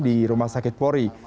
di rumah sakit polri